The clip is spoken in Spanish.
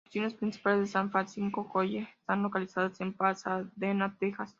Las oficinas principales de San Jacinto College están localizadas en Pasadena, Texas.